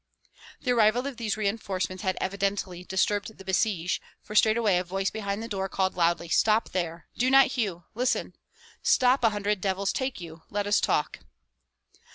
The arrival of these reinforcements had evidently disturbed the besieged, for straightway a voice behind the door called loudly: "Stop there! do not hew! listen! Stop, a hundred devils take you! let us talk."